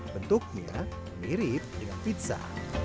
bentuknya mirip dengan pizza